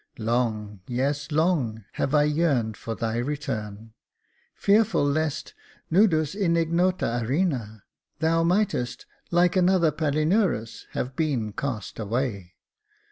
Long, yes long, have I yearned for thy return, fearful lest, nudus in tgnota arena, thou mightest, like another Palinurus, have been cast away.